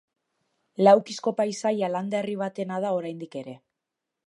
Laukizko paisaia landa herri batena da oraindik ere.